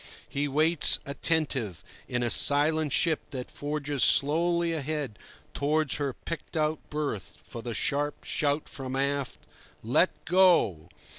he waits attentive, in a silent ship that forges slowly ahead towards her picked out berth, for the sharp shout from aft, "Let go!"